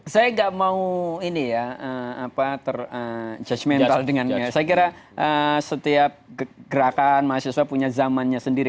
saya nggak mau terjudgmental dengan saya kira setiap gerakan mahasiswa punya zamannya sendiri